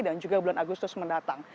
dan juga bulan agustus mendatang